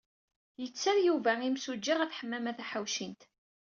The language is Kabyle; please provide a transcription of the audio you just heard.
Yetter Yuba imsujji ɣef Ḥemmama Taḥawcint.